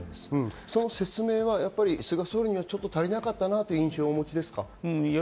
その説明はやはり菅総理には足りなかったという印象をお持ちですか？